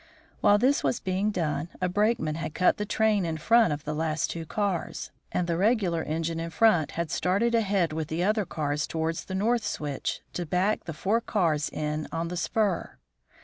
While this was being done, a brakeman had cut the train in front of the last two cars, and the regular engine in front had started ahead with the other cars towards the north switch to back the four cars in on the spur.